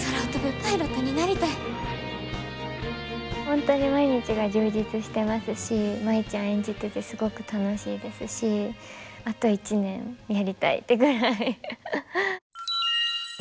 本当に毎日が充実してますし舞ちゃん演じててすごく楽しいですしあと１年やりたいってぐらいハハハ。